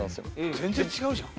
全然違うじゃん。